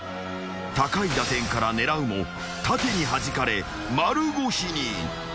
［高い打点から狙うも盾にはじかれ丸腰に］